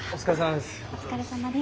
お疲れさまです。